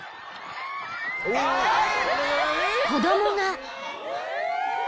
［子供が］